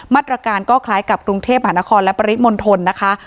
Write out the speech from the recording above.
มาตรการก็คล้ายกับกรุงเทพหานครและปริมณฑลนะคะ